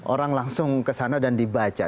orang langsung ke sana dan dibaca